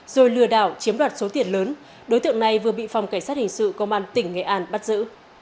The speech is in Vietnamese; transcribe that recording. rồi lừa đảo chiếm đoạt số tiền lớn đối tượng này vừa bị phòng cảnh sát hình sự công an tỉnh nghệ an bắt giữ